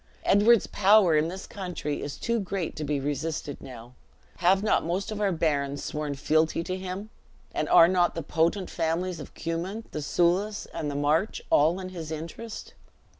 Edward's power in this country is too great to be resisted now. Have not most of our barons sworn fealty to him? and are not the potent families of the Cummin, the Soulis, and the March, all in his interest?